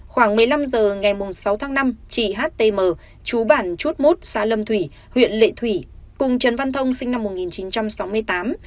khoảng một mươi năm h ngày sáu tháng năm chị htm chú bản chút mốt xã lâm thủy huyện lệ thủy cùng trần văn thông sinh năm một nghìn chín trăm sáu mươi tám